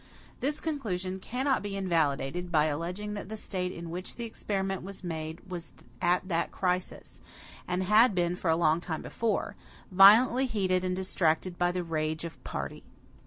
This conclusion cannot be invalidated by alleging that the State in which the experiment was made was at that crisis, and had been for a long time before, violently heated and distracted by the rage of party.